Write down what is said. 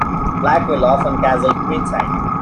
Black will often castle queenside.